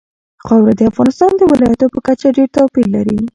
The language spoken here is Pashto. خاوره د افغانستان د ولایاتو په کچه ډېر توپیر لري.